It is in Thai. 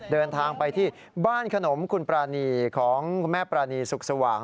เดินทางไปที่บ้านขนมคุณปรานีของคุณแม่ปรานีสุขสว่าง